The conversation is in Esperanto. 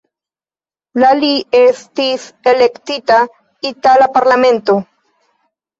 La li estis elektita itala parlamentano.